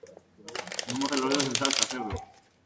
No mojes los dedos en la salsa, ¡cerdo!